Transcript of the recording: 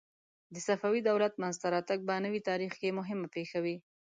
د صفوي دولت منځته راتګ په نوي تاریخ کې مهمه پېښه وه.